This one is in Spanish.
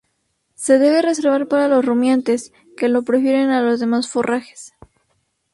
Se debe reservar para los rumiantes, que lo prefieren a los demás forrajes.